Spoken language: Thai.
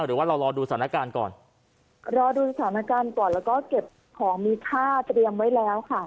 หรือว่าเรารอดูสถานการณ์ก่อนรอดูสถานการณ์ก่อนแล้วก็เก็บของมีค่าเตรียมไว้แล้วค่ะ